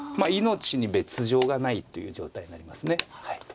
命に別状がないという状態になります。